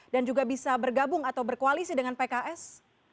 dan juga bisa bergabung atau berkoalisi dengan pks